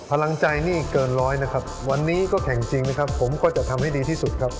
พลังใจนี่เกินร้อยนะครับวันนี้ก็แข่งจริงนะครับผมก็จะทำให้ดีที่สุดครับ